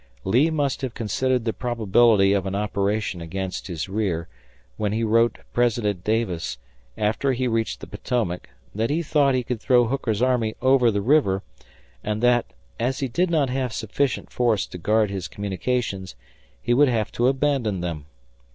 Lee must have considered the probability of an operation against his rear, when he wrote President Davis, after he reached the Potomac, that he thought he could throw Hooker's army over the river, and that, as he did not have sufficient force to guard his communications, he would have to abandon them.